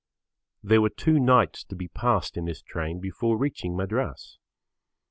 There were two nights to be passed in this train before reaching Madras.